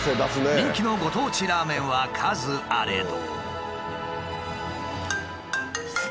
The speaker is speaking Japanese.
人気のご当地ラーメンは数あれど。